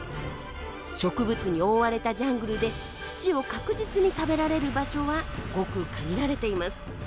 植物に覆われたジャングルで土を確実に食べられる場所はごく限られています。